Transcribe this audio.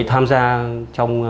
tham gia trong